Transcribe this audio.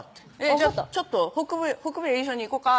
「じゃあちょっと北部営業所に行こか」